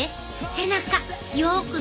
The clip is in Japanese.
背中よく見て。